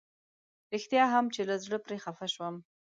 رښتيا هم چې له زړه پرې خفه شوم.